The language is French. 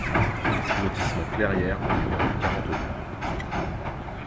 Lotissement Clairière au numéro quarante-deux